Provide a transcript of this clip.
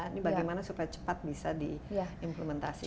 ini bagaimana supaya cepat bisa diimplementasi